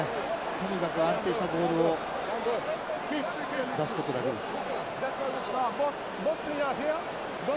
とにかく安定したボールを出すことだけです。